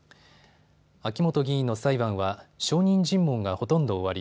秋元議員の裁判は証人尋問がほとんど終わり